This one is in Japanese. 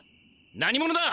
何者だ？